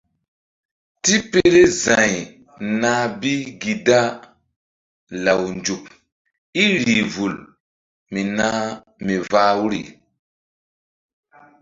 Tipele za̧y nah bi gi da law nzuk í rih vul mi vah nzukri.